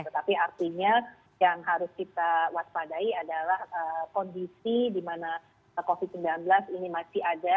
tetapi artinya yang harus kita waspadai adalah kondisi di mana covid sembilan belas ini masih ada